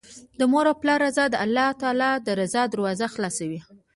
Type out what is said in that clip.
د مور او پلار رضا د الله تعالی د رضا دروازې خلاصوي